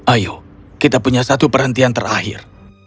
ayo kita punya satu perhentian terakhir